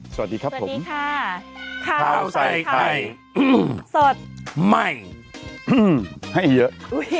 สวัสดีครับผมสวัสดีค่ะขาวไส้ไข่อื้มสดใหม่อื้อให้เยอะ